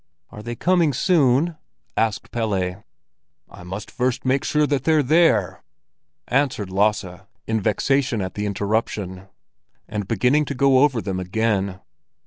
"Are they coming soon?" asked Pelle. "I must first make sure that they're there!" answered Lasse, in vexation at the interruption, and beginning to go over them again.